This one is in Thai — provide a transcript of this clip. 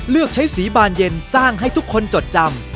เลือกใช้สีบานเย็นสร้างให้ทุกคนจดจำ